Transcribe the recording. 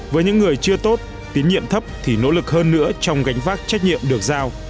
với những người chưa tốt tín nhiệm thấp thì nỗ lực hơn nữa trong gánh vác trách nhiệm được giao